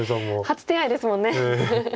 初手合ですもんね。